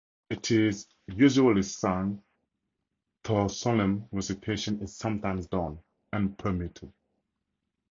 It is usually sung, though solemn recitation is sometimes done, and permitted.